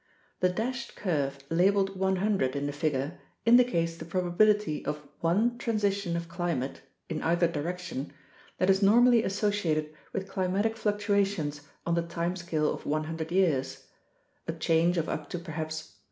The dashed curve labeled 100 in the figure indicates the prob ability of one transition of climate (in either direction) that is normally associated with climatic fluctuations on the time scale of 100 years (a change of up to perhaps 0.